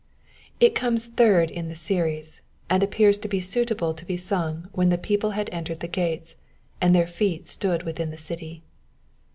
It coines third in the series, and appears to be suitable to be sung when the people had entered the gates, and their feet stood within the city.